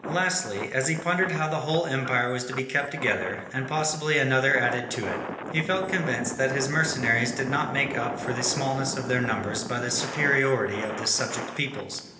Lastly, as he pondered how the whole empire was to be kept together, and possibly another added to it, he felt convinced that his mercenaries did not make up for the smallness of their numbers by their superiority to the subject peoples.